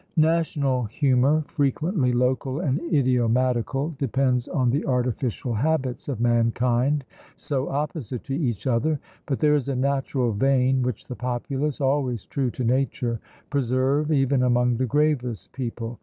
National humour, frequently local and idiomatical, depends on the artificial habits of mankind, so opposite to each other; but there is a natural vein, which the populace, always true to nature, preserve, even among the gravest people.